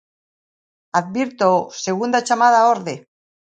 Advírtoo: segunda chamada á orde.